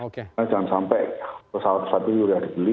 karena jangan sampai pesawat pesawat ini sudah dibeli